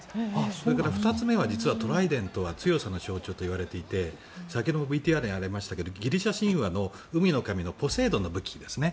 それから２つ目はトライデントは強さの象徴といわれていて先のＶＴＲにもありましたがギリシャ神話の海の神様のポセイドンの武器ですね。